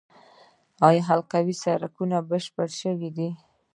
آیا حلقوي سړک بشپړ شوی دی؟